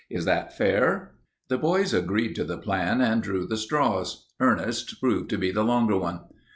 Is that fair?" The boys agreed to the plan and drew the straws. Ernest's proved to be the longer one.